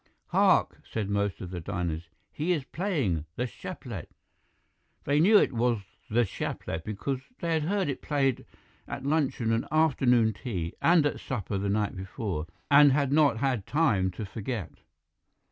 "'Hark!' said most of the diners, 'he is playing "The Chaplet."' "They knew it was 'The Chaplet' because they had heard it played at luncheon and afternoon tea, and at supper the night before, and had not had time to forget.